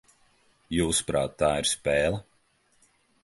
Jūsuprāt, tā ir spēle?